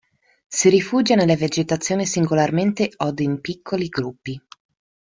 Si rifugia nella vegetazione singolarmente od in piccoli gruppi.